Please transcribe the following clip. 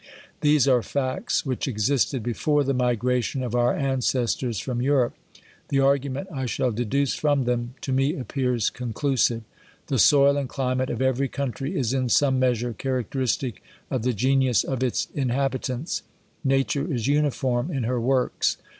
These are facts, which existed before the migration of our ancestors from Europe. The argument I shall deduce from them, to me appears conclusive. The soil and climate of every country is in some measure characteristic of the genius of its inhabitants. I^ature is uniform in her works.